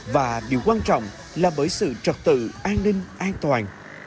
và điều quan trọng là bởi sự trật tự an ninh an toàn